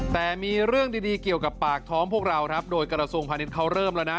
แต่มีเรื่องดีเกี่ยวกับปากท้องพวกเราครับโดยกระทรวงพาณิชย์เขาเริ่มแล้วนะ